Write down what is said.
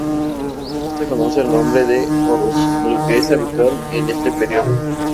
No se conoce el nombre de Horus, lo que es habitual en este período.